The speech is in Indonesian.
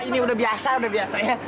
ini udah biasa udah biasanya